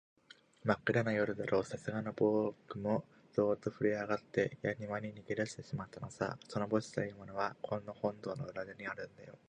まっくらな夜だろう、さすがのぼくもゾーッとふるえあがって、やにわに逃げだしてしまったのさ。その墓地っていうのは、この本堂の裏手にあるんだよ。